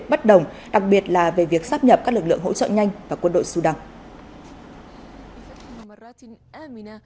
bất đồng đặc biệt là về việc sắp nhập các lực lượng hỗ trợ nhanh và quân đội sudan